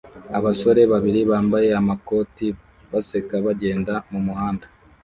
Abasore babiri bambaye amakoti baseka bagenda mumuhanda